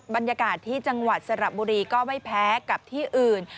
บรรยากาศที่จังหวัดสระบุรีก็ไม่แพ้กับที่อื่น